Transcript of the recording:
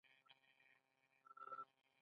آیا دوی اسلامي بانکداري نلري؟